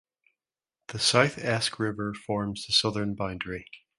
The South Esk River forms the southern boundary.